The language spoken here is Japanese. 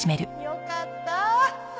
よかった！